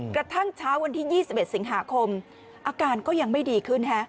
กระทั่งเช้าวันที่๒๑สิงหาคมอาการก็ยังไม่ดีขึ้น